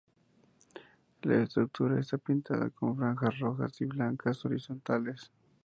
La estructura está pintada con franjas rojas y blancas horizontales.